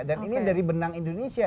dan ini dari benang indonesia